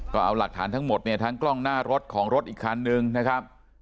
ก็เอาหลักฐานทั้งหมดเนี่ยทั้งกล้องหน้ารถของรถอีกคันนึงนะครับ